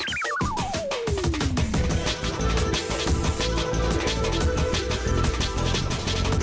เอาเลยค่ะเด็กจัดไป